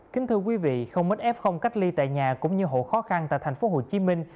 kính thưa quý vị không ít f ly tại nhà cũng như hộ khó khăn tại thành phố hồ chí minh